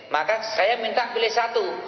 maka saya minta pilih satu